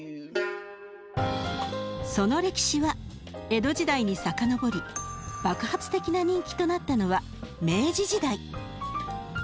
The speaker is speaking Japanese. その歴史は江戸時代に遡り爆発的な人気となったのは明治時代。